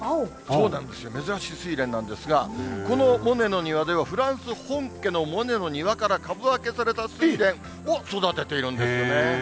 そうなんですよ、珍しいスイレンなんですが、このモネの庭では、フランス本家のモネの庭から株分けされたスイレンを育てているんですね。